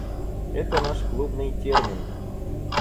Это наш клубный термин.